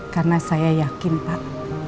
karena saya yakin pak